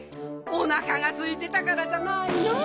おなかがすいてたからじゃないの？